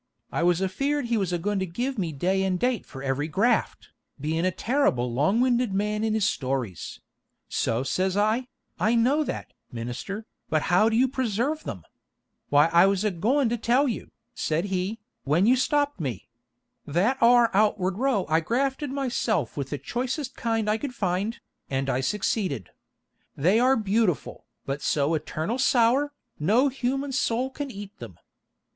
I was afeard he was a goin' to give me day and date for every graft, bein' a terrible long winded man in his stories; so says I, 'I know that, minister, but how do you preserve them?' 'Why, I was a goin' to tell you,' said he, 'when you stopped me. That are outward row I grafted myself with the choicest kind I could find, and I succeeded. They are beautiful, but so etarnal sour, no human soul can eat them.